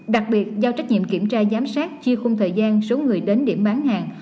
đặc biệt giao trách nhiệm kiểm tra giám sát chia khung thời gian số người đến điểm bán hàng